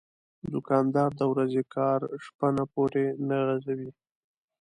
دوکاندار د ورځې کار شپه نه پورې نه غځوي.